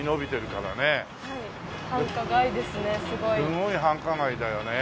すごい繁華街だよね。